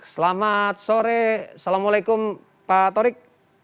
selamat sore assalamualaikum pak torik